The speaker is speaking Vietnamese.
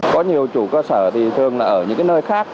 có nhiều chủ cơ sở thì thường là ở những nơi khác